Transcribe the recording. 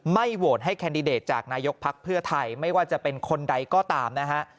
โหวตให้แคนดิเดตจากนายกภักดิ์เพื่อไทยไม่ว่าจะเป็นคนใดก็ตามนะฮะ